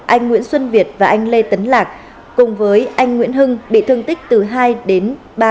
anh nguyễn xuân việt và anh lê tấn lạc cùng với anh nguyễn hưng bị thương tích từ hai đến ba